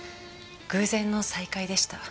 偶然の再会でした。